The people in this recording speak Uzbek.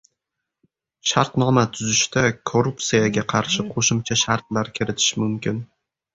Shartnoma tuzishda korrupsiyaga qarshi qo‘shimcha shartlar kiritish mumkin